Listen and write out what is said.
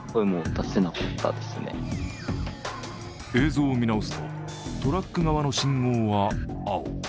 映像を見直すと、トラック側の信号は青。